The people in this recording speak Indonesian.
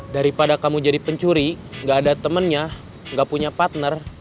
daripada kamu jadi pencuri gak ada temennya nggak punya partner